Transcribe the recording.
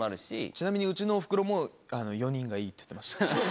ちなみに僕のおふくろも４人がいいって言ってました。